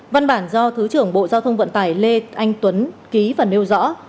văn bản do thứ trưởng bộ giao thông vận tải lê anh tuấn ký và nêu rõ